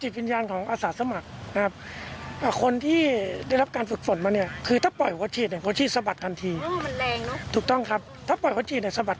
วันนี้เรายืนอยู่บนกล้อกซากประหลักหักพัง